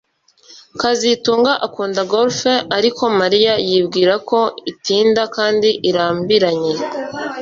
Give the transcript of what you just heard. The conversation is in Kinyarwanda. kazitunga akunda golf ariko Mariya yibwira ko itinda kandi irambiranye